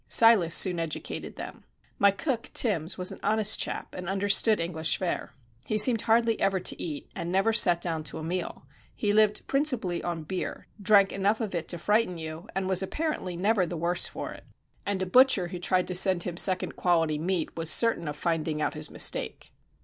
Silas soon educated them. My cook, Timbs, was an honest chap, and understood English fare. He seemed hardly ever to eat, and never sat down to a meal; he lived principally on beer, drank enough of it to frighten you, and was apparently never the worse for it. And a butcher who tried to send him second quality meat was certain of finding out his mistake.